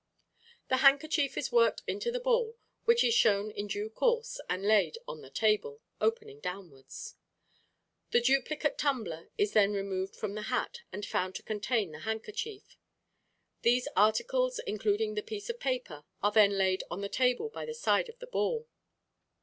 The handkerchief is worked into the ball, which is shown in due course, and laid on the table, opening downwards. The duplicate tumbler is then removed from the hat, and found to contain the handkerchief. These articles including the piece of paper, are then laid on the table by the side of the ball.